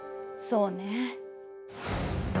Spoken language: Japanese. そうね。